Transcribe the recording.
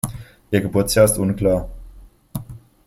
Ihr Geburtsjahr ist unklar.